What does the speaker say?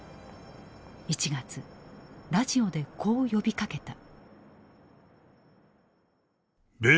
１月ラジオでこう呼びかけた。